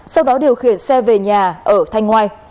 sau đó điều khiển xe về nhà ở thanh ngoài